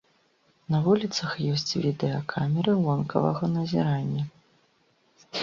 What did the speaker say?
На вуліцах ёсць відэакамеры вонкавага назірання.